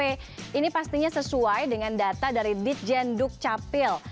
nah kalau anda tidak sesuai dengan data dari bitgen dukcapil